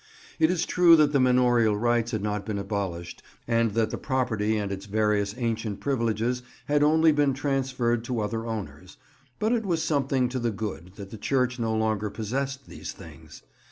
It is true that the manorial rights had not been abolished and that the property and its various ancient privileges had only been transferred to other owners, but it was something to the good that the Church no longer possessed these things.